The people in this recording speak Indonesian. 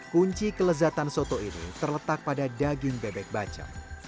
kunci kelezatan soto ini terletak pada daging bebek baca